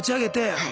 はい。